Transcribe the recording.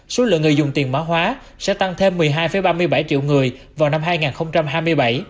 số lượng người dùng tiền mã hóa sẽ tăng thêm một mươi hai ba mươi bảy triệu người vào năm hai nghìn hai mươi bảy